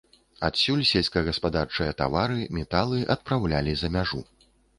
Адсюль сельскагаспадарчыя тавары, металы адпраўлялі за мяжу.